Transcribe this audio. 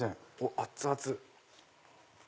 熱々。